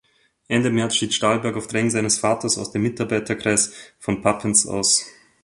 Ende März schied Stahlberg auf Drängen seines Vaters aus dem Mitarbeiterkreis von Papens aus.